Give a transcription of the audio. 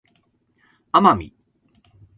奄美